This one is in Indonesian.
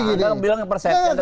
kalau di prosesi